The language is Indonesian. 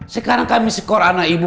sekarang kami skor anak ibu